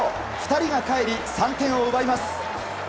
２人がかえり３点を奪います。